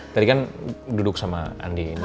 tadi kan duduk sama andin